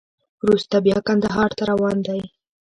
وروسته بیا کندهار ته روان دی.